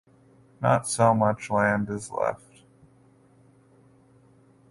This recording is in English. Not so much land is left.